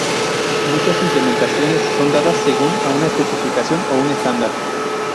Muchas implementaciones son dadas según a una especificación o un estándar.